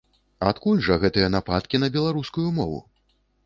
Адкуль жа гэтыя нападкі на беларускую мову?